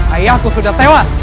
ayahku sudah tewas